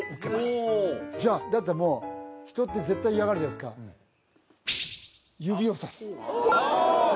おおじゃあだったらもう人って絶対嫌がるじゃないですか指をさす・ああ！